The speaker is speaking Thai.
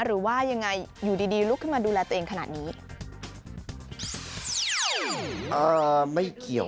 หรือว่ายังไงอยู่ดีลุกขึ้นมาดูแลตัวเองขนาดนี้